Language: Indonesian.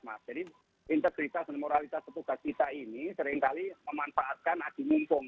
jadi integritas dan moralitas petugas kita ini seringkali memanfaatkan agi ngumpung